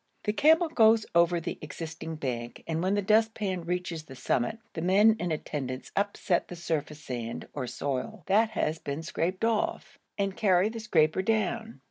The camel goes over the existing bank and when the dustpan reaches the summit the men in attendance upset the surface sand or soil, that has been scraped off, and carry the scraper down.